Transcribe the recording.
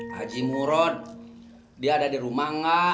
haji murod dia ada di rumah nggak